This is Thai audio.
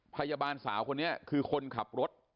พยาบาลสาวคนนี้คือคนขับรถ